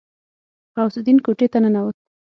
غوث الدين کوټې ته ننوت.